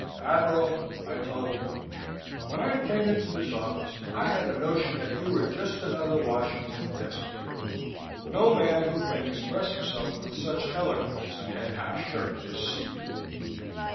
"Admiral," I told him, "when I came into this office I had a notion you were just another Washington desk hero. No man who can express himself with such eloquence can have shirked his sea duty.